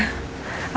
pak maaf ya pak